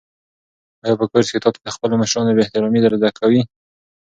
آیا په کورس کې تاته د خپلو مشرانو بې احترامي در زده کوي؟